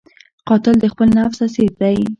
قاتل د خپل نفس اسیر دی